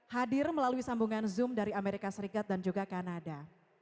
hadir melalui sambungan zoom dari amerika serikat dan juga kanada